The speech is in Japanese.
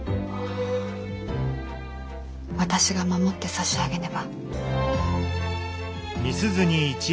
私が守って差し上げねば。